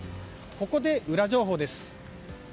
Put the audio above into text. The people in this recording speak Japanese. ここでウラ情報です。